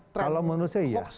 kalau menurut saya ya